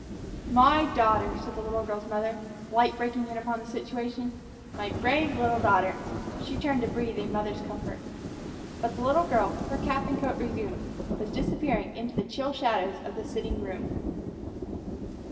"My daughter!" said the little girl's mother, light breaking in upon the situation; "my brave little daughter!" She turned to breathe a mother's comfort. But the little girl, her cap and coat resumed, was disappearing into the chill shadows of the sitting room.